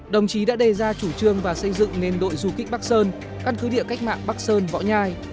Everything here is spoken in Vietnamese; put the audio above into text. đồng chí đã đề ra chủ trương và xây dựng nên đội du kích bắc sơn căn cứ địa cách mạng bắc sơn võ nhai